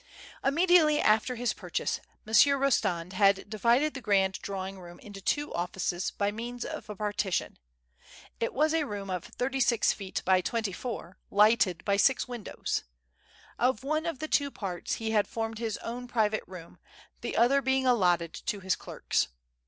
Immediately after his purchase. Monsieur Eostand had divided the grand drawing room into two offices, by means of a partition. It was a room of thirty six feet by twenty four, lighted by six windows. Of one of the two parts he had formed his own private room, the other being allotted to his clerks.